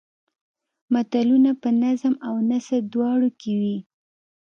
متلونه په نظم او نثر دواړو کې وي